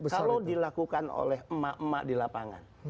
kalau dilakukan oleh emak emak di lapangan